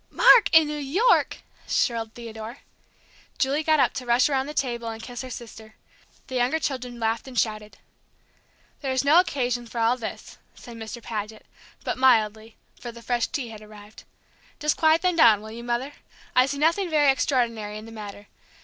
"Mark in New York!" shrilled Theodore. Julie got up to rush around the table and kiss her sister; the younger children laughed and shouted. "There is no occasion for all this," said Mr. Paget, but mildly, for the fresh tea had arrived. "Just quiet them down, will you, Mother? I see nothing very extraordinary in the matter.